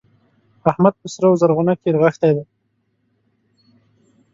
احمد په سره و زرغونه کې رغښتی دی.